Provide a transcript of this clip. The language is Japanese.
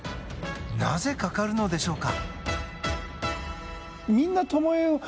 なぜ、かかるのでしょうか？